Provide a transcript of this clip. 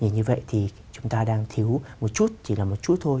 như vậy thì chúng ta đang thiếu một chút chỉ là một chút thôi